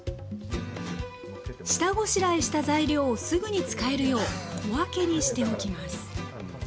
下ごしらえした材料をすぐに使えるよう小分けにしておきます